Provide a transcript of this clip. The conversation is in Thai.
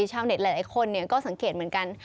ชาวเน็ตหลายคนก็สังเกตเหมือนกัน